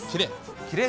きれい。